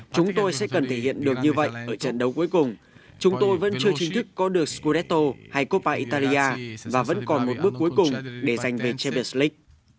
chúng tôi sẽ cần thể hiện được như vậy ở trận đấu cuối cùng chúng tôi vẫn chưa chính thức có được scudetto hay coppa italia và vẫn còn một bước cuối cùng để giành về champions league